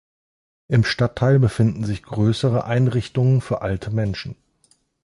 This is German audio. Im Stadtteil befinden sich größere Einrichtungen für alte Menschen.